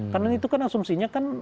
karena itu kan asumsinya kan